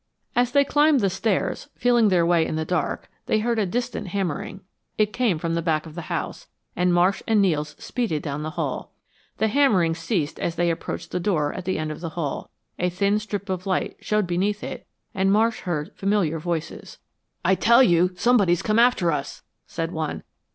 As they climbed the stairs, feeling their way in the dark, they heard a distant hammering. It came from the back of the house, and Marsh and Nels speeded down the hall. The hammering ceased as they approached the door at the end of the hall. A thin strip of light showed beneath it and Marsh heard familiar voices. "I tell you somebody's come after us," said one.